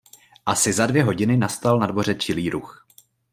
Asi za dvě hodiny nastal na dvoře čilý ruch.